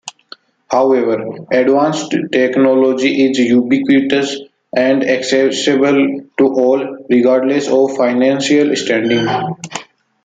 However, advanced technology is ubiquitous and accessible to all, regardless of financial standing.